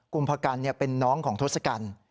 ุมพกันเป็นน้องของทศกัณฐ์